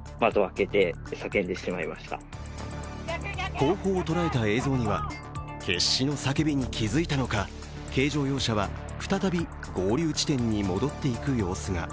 後方を捉えた映像には決死の叫びに気付いたのか軽乗用車は再び合流地点に戻っていく様子が。